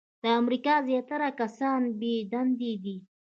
د امریکا زیاتره کسان بې دندې دي .